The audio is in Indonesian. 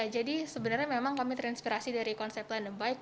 jadi sebenarnya memang kami terinspirasi dari konsep land of bike